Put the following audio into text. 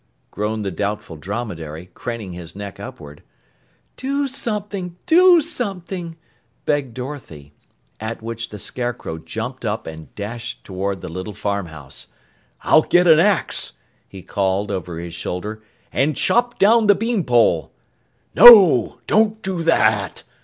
groaned the Doubtful Dromedary, craning his neck upward. "Do something! Do something!" begged Dorothy. At which the Scarecrow jumped up and dashed toward the little farmhouse. "I'll get an ax," he called over his shoulder, "and chop down the bean pole." "No, don't do that!"